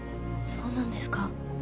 そうなんですか？